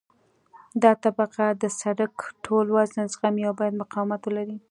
دا طبقه د سرک ټول وزن زغمي او باید مقاومت ولري